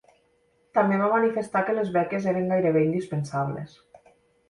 També va manifestar que les beques eren gairebé indispensables.